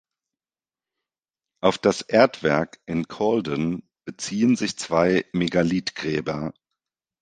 Auf das Erdwerk in Calden beziehen sich zwei Megalithgräber.